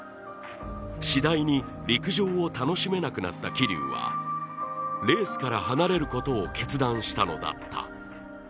次第に陸上を楽しめなくなった桐生は、レースから離れることを決断したのだった。